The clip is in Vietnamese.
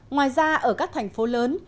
ngoài ra ở các thành phố lớn